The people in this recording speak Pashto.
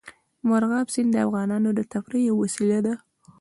مورغاب سیند د افغانانو د تفریح یوه وسیله ده.